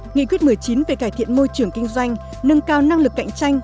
nghị quyết một mươi chín về cải thiện môi trường kinh doanh nâng cao năng lực cạnh tranh